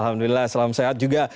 alhamdulillah salam sehat juga